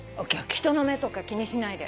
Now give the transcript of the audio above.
人の目とか気にしないで。